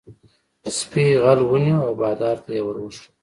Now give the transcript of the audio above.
سپي غل ونیو او بادار ته یې ور وښود.